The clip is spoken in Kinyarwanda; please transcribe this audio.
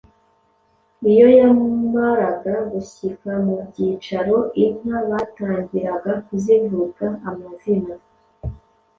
Iyo yamaraga gushyika mu byicaro, inka batangiraga kuzivuga amazina.